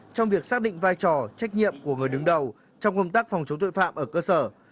trong việc xác định vai trò trách nhiệm của người đứng đầu trong công tác phòng chống tội phạm ở cơ sở